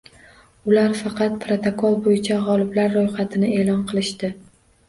Ular faqat protokol bo'yicha g'oliblar ro'yxatini e'lon qilishdi